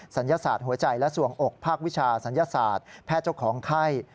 ศาสตร์หัวใจและส่วงอกภาควิชาศัลยศาสตร์แพทย์เจ้าของไข้